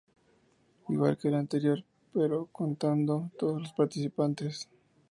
Igual que el anterior, pero contando todos los participantes.